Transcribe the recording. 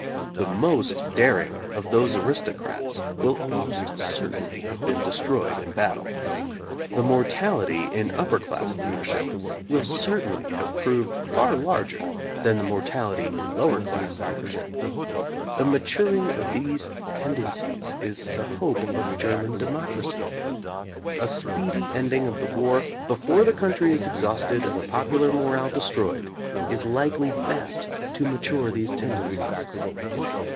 The most dar ing of those aristocrats will almost certainly have been destroyed in battle. The mortality in up per class leadership will certainly have proved far larger than the mortality in lower class leadership. The maturing of these tendencies is the hope of German democracy. A speedy ending of the war, before the country is exhausted and the popular morale destroyed, is likely best to mature these tendencies.